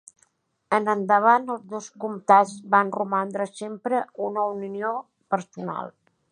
En endavant els dos comtats van romandre sempre una unió personal.